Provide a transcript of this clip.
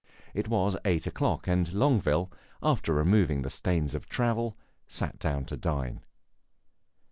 It was eight o'clock, and Longueville, after removing the stains of travel, sat down to dine.